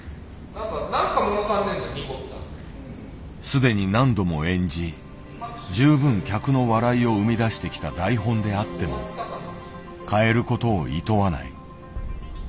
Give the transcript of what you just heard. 既に何度も演じ十分客の笑いを生み出してきた台本であっても変えることをいとわない。